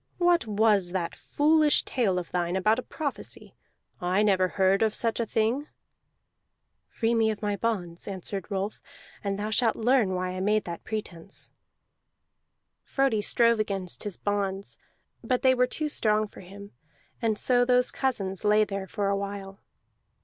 What was that foolish tale of thine about a prophecy? I never heard of such a thing." "Free me of my bonds," answered Rolf, "and thou shalt learn why I made that pretence." Frodi strove against his bonds, but they were too strong for him; and so those cousins lay there for a while.